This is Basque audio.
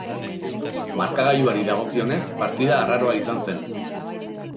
Markagailuari dagokionez partida arraroa izan zen.